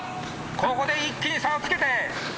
ここで一気に差をつけて。